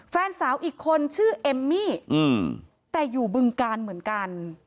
แฟนสาวอีกคนชื่อเอมมี่แต่อยู่บึงกาลเหมือนกัน